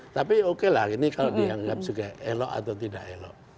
tapi oke lah ini kalau dianggap juga elok atau tidak elok